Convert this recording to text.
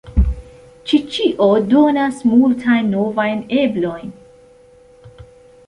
Ĉi ĉio donas multajn novajn eblojn.